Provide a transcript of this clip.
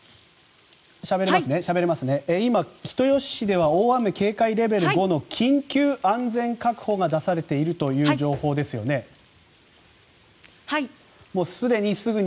今、人吉市では大雨警戒レベル５の緊急安全確保が出されているという情報ですよね。